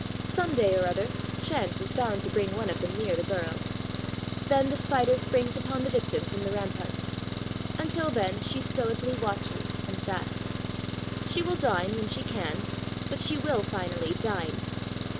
Some day or other, chance is bound to bring one of them near the burrow. Then the Spider springs upon the victim from the ramparts. Until then, she stoically watches and fasts. She will dine when she can; but she will finally dine.